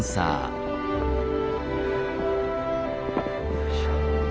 よいしょ。